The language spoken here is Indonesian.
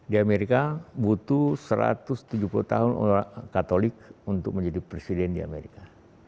di amerika butuh satu ratus tujuh puluh tahun katolik untuk menjadi presiden di amerika